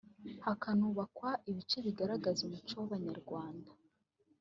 hakanubakwa ibice bigaragaza umuco w’Abanyarwanda